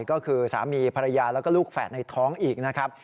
ก็คือสามีภรรยาแล้วก็ลูกแฝดในท้องอีกนะครับ